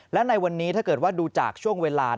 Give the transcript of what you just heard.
และในวันนี้ถ้าเกิดว่าดูจากช่วงเวลา